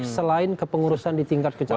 selain kepengurusan di tingkat kecamatan